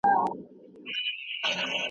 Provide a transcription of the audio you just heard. پانګه والو ډېره شتمني ټوله کړې وه.